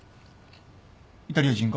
イタリア人が？